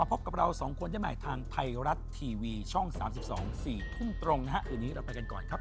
โปรดติดตามตอนต่อไป